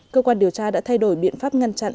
cơ quan điều tra đã thay đổi biện pháp ngăn chặn